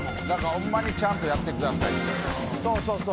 ほんまにちゃんとやってくださいって。